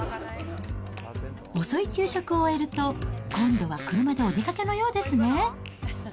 遅い昼食を終えると、今度は車でお出かけのようですね。